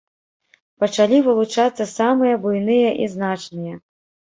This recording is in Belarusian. Пачалі вылучацца самыя буйныя і значныя.